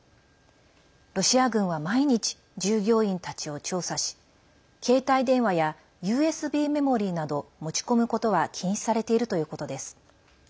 ロシア軍は毎日従業員たちを調査し携帯電話やＵＳＢメモリーなど持ち込むことは禁止されているということです。